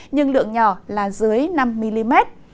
nhưng lượng nhỏ là dưới năm mm